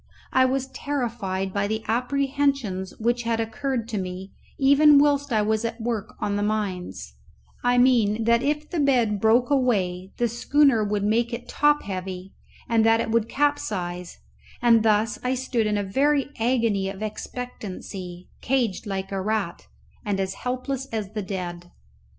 I was terrified by the apprehensions which had occurred to me even whilst I was at work on the mines; I mean, that if the bed broke away the schooner would make it top heavy and that it would capsize; and thus I stood in a very agony of expectancy, caged like a rat, and as helpless as the dead.